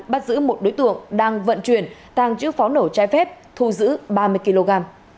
bắt giữ một đối tượng đang vận chuyển tàng chữ phó nổ trái phép thu giữ ba mươi kg